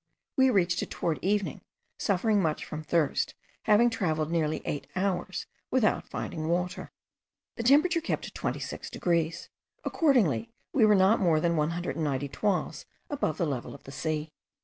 We reached it towards the evening, suffering much from thirst, having travelled nearly eight hours without finding water. The thermometer kept at 26 degrees; accordingly we were not more than 190 toises above the level of the sea.